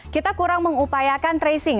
kita kurang mengupayakan tracing